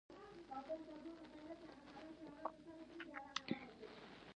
بنده کړکۍ یم